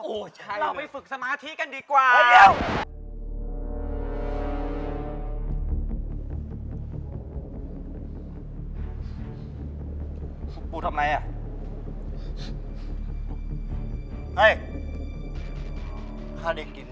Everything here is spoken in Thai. โอ้ใช่เลย